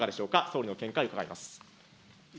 総理の見解を伺います。